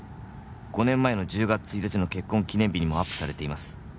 「５年前の１０月１日の結婚記念日にもアップされています」